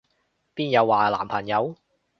邊有話男朋友？